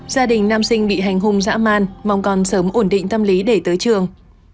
gia đình nam sinh bị hành hung dã man mong còn sớm ổn định tâm lý để tới trường